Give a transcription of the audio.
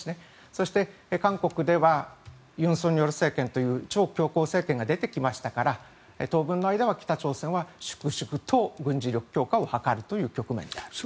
そして、韓国では尹錫悦政権という超強硬政権が出てきましたから当分の間は北朝鮮は粛々と軍事強化を図る局面であると。